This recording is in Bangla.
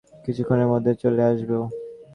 কিছুক্ষণের মধ্যে চলে আসবো।